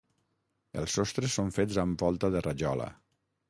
Els sostres són fets amb volta de rajola.